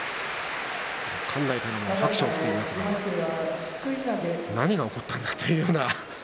館内からも拍手が起きていますが何が起こったんだというような。